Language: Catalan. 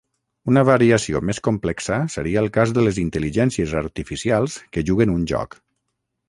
Una variació més complexa seria el cas de les intel·ligències artificials que juguen un joc.